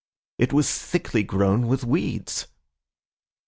It was thickly grown with weeds.